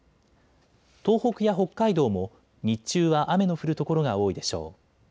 東北や北海道も日中は雨の降る所が多いでしょう。